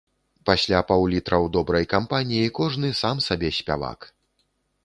Пасля паўлітра ў добрай кампаніі кожны сам сабе спявак.